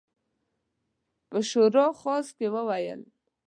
په شورای خاص کې وویل.